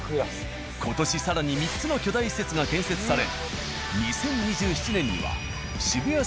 今年更に３つの巨大施設が建設され。